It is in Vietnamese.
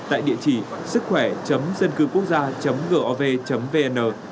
tại địa chỉ sứckhoẻ dâncưquốc gia gov vn